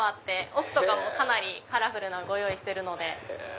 奥とかもかなりカラフルなのご用意してるので。